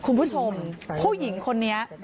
คุณผู้ชมผู้หญิงคนนี้